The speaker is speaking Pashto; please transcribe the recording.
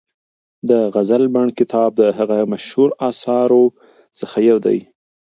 د غزل بڼ کتاب د هغه د مشهورو اثارو څخه یو دی.